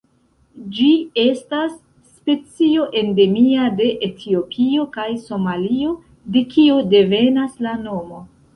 Ĝi estas specio endemia de Etiopio kaj Somalio, de kio devenas la nomo.